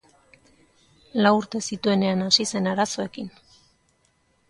Lau urte zituenean hasi zen arazoekin.